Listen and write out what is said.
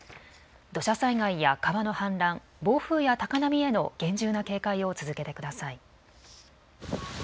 土砂災害や川の氾濫、暴風や高波への厳重な警戒を続けてください。